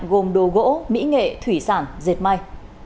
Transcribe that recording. gồm đồ gỗ mỹ nghệ thủy sản dệt may